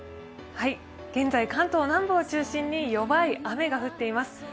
現在、関東南部を中心に弱い雨が降っています。